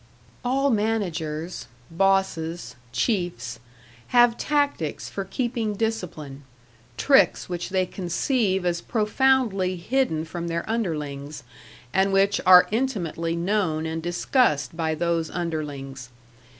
All managers "bosses" "chiefs" have tactics for keeping discipline; tricks which they conceive as profoundly hidden from their underlings, and which are intimately known and discussed by those underlings....